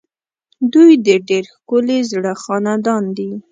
دوی د ډېر ښکلي زړه خاوندان دي.